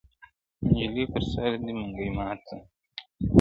نجلۍ پر سر دي منګی مات سه-